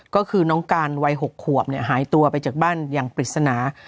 ก็คือน้องการวัย๖ขวบหายตัวไปจากบ้านอย่างปริศนา